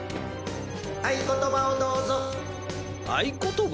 「合言葉をどうぞ」合言葉？